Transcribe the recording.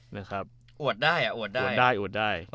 โหว่ดได้อ่ะโหว่ดได้